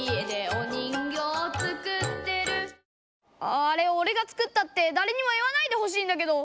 あああれおれが作ったってだれにも言わないでほしいんだけど。